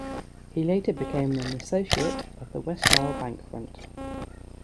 He later became an associate of the West Nile Bank Front.